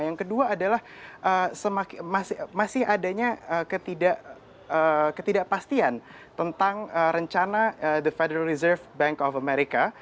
yang kedua adalah masih adanya ketidakpastian tentang rencana the federal reserve bank of america